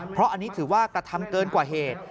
เพราะอันนี้ถือว่ากระทำเกินกว่าเหตุ